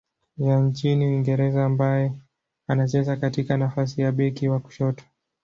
ya nchini Uingereza ambaye anacheza katika nafasi ya beki wa kushoto.